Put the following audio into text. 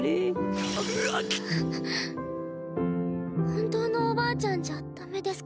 本当のおばあちゃんじゃダメですか？